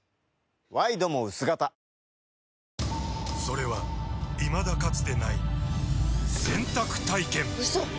ワイドも薄型それはいまだかつてない洗濯体験‼うそっ！